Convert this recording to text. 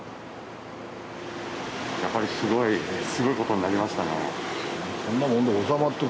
やっぱりすごいすごいことになりましたね。